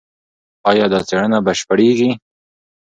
ایا دا څېړنه بشپړېږي؟